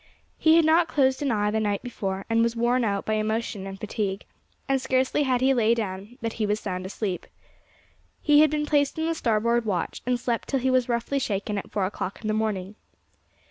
He had not closed an eye the night before, and was worn out by emotion and fatigue, and scarcely had he lain down than he was sound asleep. He had been placed in the starboard watch, and slept till he was roughly shaken at four o'clock in the morning.